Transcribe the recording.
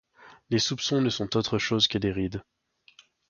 Les soupçons ne sont autre chose que des rides.